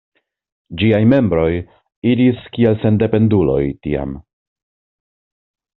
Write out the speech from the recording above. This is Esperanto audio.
Ĝiaj membroj iris kiel sendependuloj tiam.